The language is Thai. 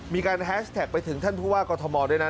มีการแฮสแท็กไปถึงท่านผู้ว่ากอธมอธ์ด้วยนั่น